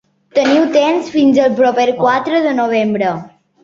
Teniu temps fins al proper quatre de novembre.